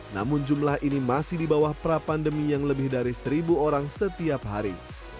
namun jumlah ini masih di bawah pra pandemi yang lebih dari seribu orang setiap hari